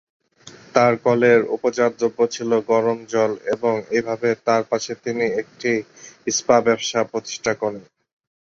তার কলের উপজাত দ্রব্য ছিল গরম জল, এবং এইভাবে তার পাশে তিনি একটি স্পা ব্যবসা প্রতিষ্ঠা করেন।